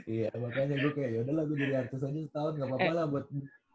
iya makanya gua kayak yaudah lah gua jadi artis aja setahun gapapa lah buat